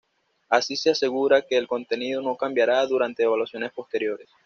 Así se asegurará que el contenido no cambiará durante evaluaciones posteriores.